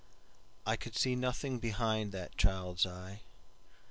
I could see nothing behind that child's eye.